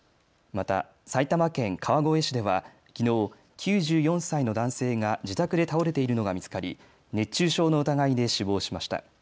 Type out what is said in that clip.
また埼玉県川越市ではきのう９４歳の男性が自宅で倒れているのが見つかり熱中症の疑いで死亡しました。